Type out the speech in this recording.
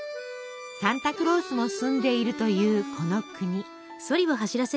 サンタクロースも住んでいるというこの国。